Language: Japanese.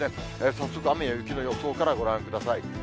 早速、雨や雪の予想からご覧ください。